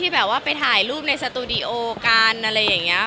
สตรูดิโอการ์น